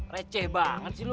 receh banget sih lo